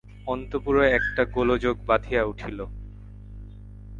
অন্তঃপুরে একটা গোলযোগ বাধিয়া উঠিল।